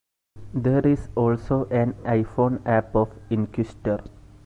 There is also an iPhone app of Inquisitor.